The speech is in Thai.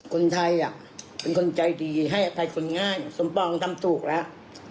คนไทยเป็นคนใจดีให้อภัยคนง่ายสมปองทำถูกแล้ว